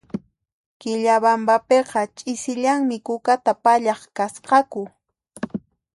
Quillabambapiqa ch'isillanmi kukata pallaq kasqaku